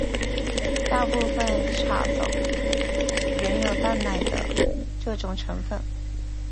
大部份茶走仍有淡奶这种成份。